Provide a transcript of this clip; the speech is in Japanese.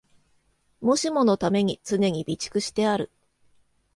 もしものために常に備蓄してある